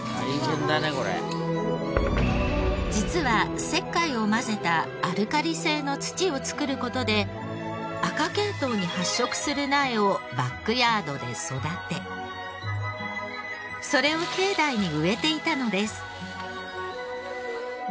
実は石灰を混ぜたアルカリ性の土を作る事で赤系統に発色する苗をバックヤードで育てそれを境内に植えていたのです。